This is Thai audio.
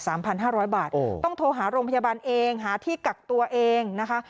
พันห้าร้อยบาทเออต้องโทรหาโรงพยาบาลเองหาที่กักตัวเองนะคะ